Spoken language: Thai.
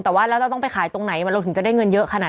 แต่ว่าแล้วเราต้องไปขายตรงไหนเราถึงจะได้เงินเยอะขนาดนั้น